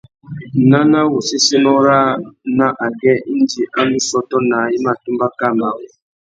Nana wu séssénô râā nà agüê indi a ndú sôtô naā i mà tumba kā marru.